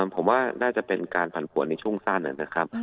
ผมว่าน่าจะเป็นการผันผวนในช่วงสั้นนะครับ